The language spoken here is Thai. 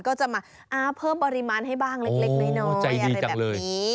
ก็จะมาเพิ่มปริมาณให้บ้างเล็กน้อยอะไรแบบนี้